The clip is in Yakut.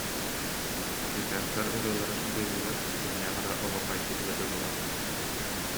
чыычаахтар ырыаларын быыһыгар кимнээх эрэ оһуохайдыырга дылылар